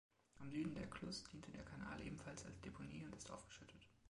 Am Südende der Klus diente der Kanal ebenfalls als Deponie und ist aufgeschüttet.